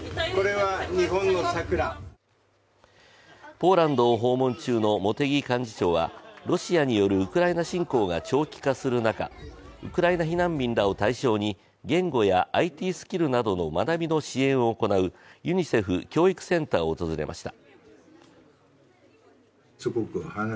ポーランドを訪問中の茂木幹事長はロシアによるウクライナ侵攻が長期化する中、ウクライナ避難民らを対象に言語やＩＴＦスキルなどの学びの支援を行うユニセフ教育センターを訪れました。